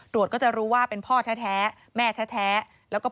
โปรดติดตามต่างกรรมโปรดติดตามต่างกรรม